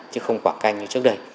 chứ không quảng canh như trước đây